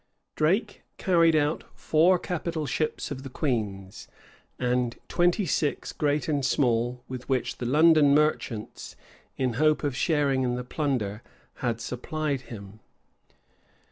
Drake carried out four capital ships of the queen's, and twenty six, great and small, with which the London merchants, in hopes of sharing in the plunder, had supplied him.